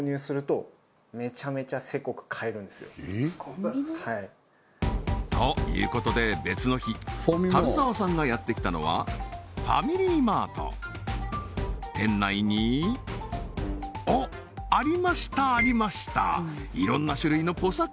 うん全然ということで足澤さんがやってきたのはファミリーマート店内におっありましたありました色んな種類のＰＯＳＡ